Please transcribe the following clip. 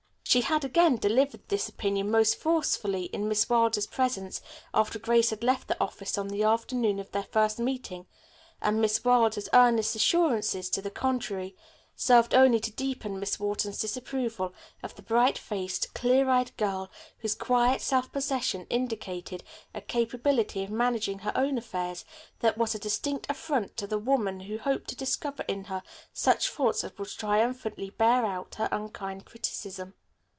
She had again delivered this opinion most forcefully in Miss Wilder's presence after Grace had left the office on the afternoon of their first meeting, and Miss Wilder's earnest assurances to the contrary served only to deepen Miss Wharton's disapproval of the bright faced, clear eyed girl whose quiet self possession indicated a capability of managing her own affairs that was a distinct affront to the woman who hoped to discover in her such faults as would triumphantly bear out her unkind criticism.